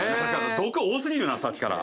毒多過ぎるなさっきから。